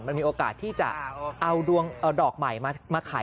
มันมีโอกาสที่จะเอาดวงเอาดอกใหม่มาขาย